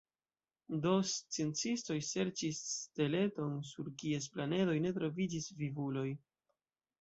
Do sciencistoj serĉis steleton sur kies planedoj ne troviĝis vivuloj.